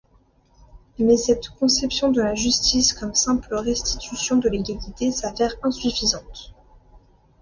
Mais cette conception de la justice comme simple restitution de l’égalité s’avère insuffisante.